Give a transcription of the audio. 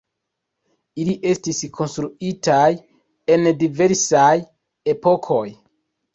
Ili estis konstruitaj en diversaj epokoj.